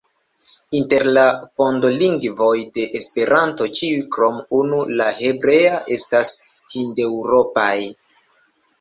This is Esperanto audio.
Inter la fontolingvoj de Esperanto ĉiuj krom unu, la hebrea, estas hindeŭropaj.